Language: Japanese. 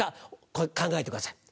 これ考えてください。